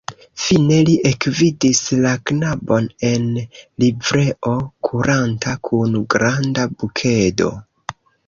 Fine li ekvidis la knabon en livreo kuranta kun granda bukedo.